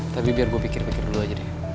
tapi biar gue pikir pikir dulu aja deh